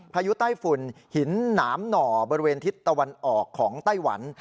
ยุไต้ฝุ่นหินหนามหน่อบริเวณทิศตะวันออกของไต้หวัน